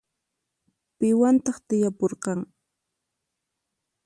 Piwantaq tiyapurqan?